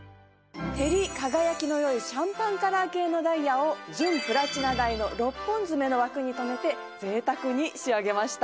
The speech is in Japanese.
照り輝きの良いシャンパンカラー系のダイヤを純プラチナ台の６本爪の枠に留めて贅沢に仕上げました。